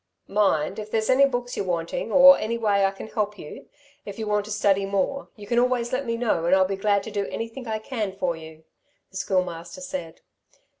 "Mind, if there's any books you're wanting, or any way I can help you, if you want to study more, you can always let me know, and I'll be glad to do anything I can for you," the Schoolmaster said.